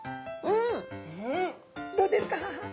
うんどうですか？